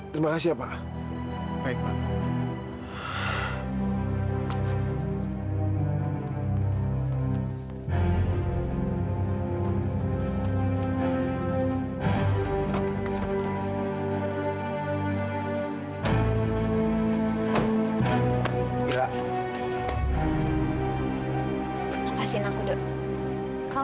terima kasih om